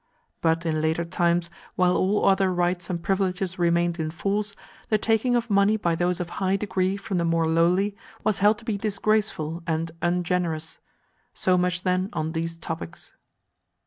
But in later times, while all other rights and privileges remained in force, the taking of money by those of high degree from the more lowly was held to be disgraceful and ungenerous. So much, then, on these topics.